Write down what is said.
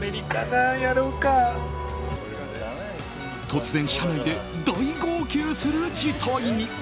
突然、車内で大号泣する事態に。